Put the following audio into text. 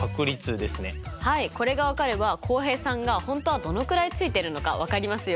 これが分かれば浩平さんが本当はどのくらいついてるのか分かりますよ。